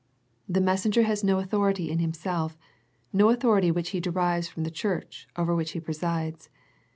The mes senger has no authority in himself, no authority which he derives from the Church over which he presides.